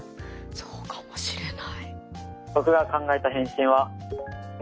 そうかもしれない。